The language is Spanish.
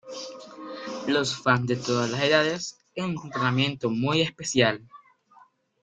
Los fans de todas las edades en un tratamiento muy especial!".